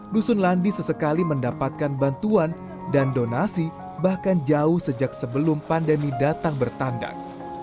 dusun landi sesekali mendapatkan bantuan dan donasi bahkan jauh sejak sebelum pandemi datang bertandak